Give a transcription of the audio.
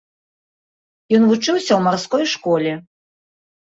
Ён вучыўся ў марской школе.